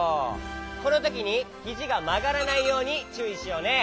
このときにひじがまがらないようにちゅういしようね。